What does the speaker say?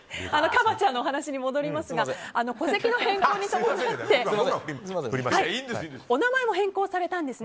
ＫＡＢＡ．ちゃんのお話に戻りますが戸籍の変更に伴ってお名前も変更されたんです。